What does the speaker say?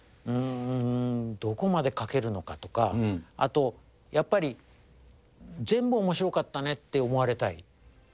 どこまで描けるのかとか、あと、やっぱり、全部おもしろかったねって思われたい。